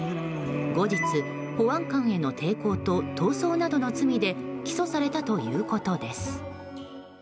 後日、保安官への抵抗と逃走などの罪で起訴されたということです。